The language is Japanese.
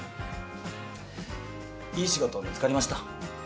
いい仕事見つかりました？